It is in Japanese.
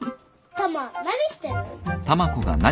タマ何してる？